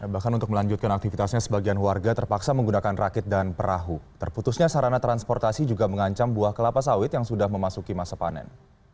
bahkan untuk melanjutkan aktivitasnya sebagian warga terpaksa menggunakan rakit dan perahu terputusnya sarana transportasi juga mengancam buah kelapa sawit yang sudah memasuki masa panen